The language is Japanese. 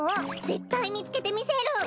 ぜったいみつけてみせる！